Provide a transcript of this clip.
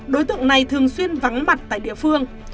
đối tượng này thường xuyên vắng mặt tại địa phương